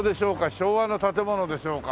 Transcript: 昭和の建物でしょうか。